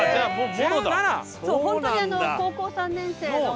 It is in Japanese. そう本当に高校３年生の。